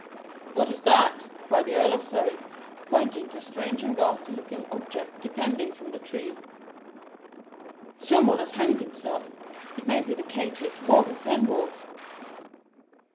"What is that?" cried the Earl of Surrey, pointing to a strange and ghastly looking object depending from the tree. "Some one has hanged himself! It may be the caitiff, Morgan Fenwolf."